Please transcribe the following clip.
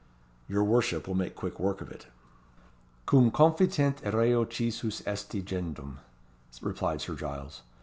Your worship will make quick work of it." "Cum confitente reo citius est agendum" replied Sir Giles.